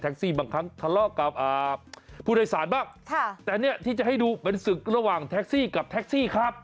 บางครั้งทะเลาะกับผู้โดยสารบ้างแต่เนี่ยที่จะให้ดูเป็นศึกระหว่างแท็กซี่กับแท็กซี่ครับ